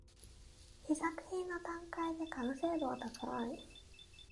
試作品の段階で完成度は高い